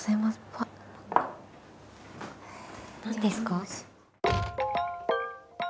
何ですか？